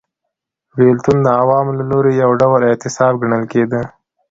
بېلتون د عوامو له لوري یو ډول اعتصاب ګڼل کېده